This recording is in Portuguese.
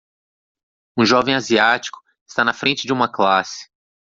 Um jovem asiático está na frente de uma classe